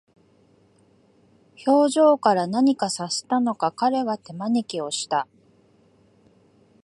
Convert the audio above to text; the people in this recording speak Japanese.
表情から何か察したのか、彼は手招きをした。